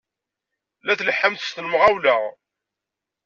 La tleḥḥumt s lemɣawla!